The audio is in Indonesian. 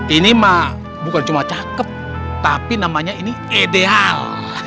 ini mah bukan cuma cakep tapi namanya ini ideal